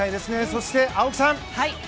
そして、青木さん。